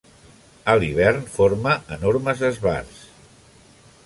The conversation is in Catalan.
A l'hivern forma enormes esbarts.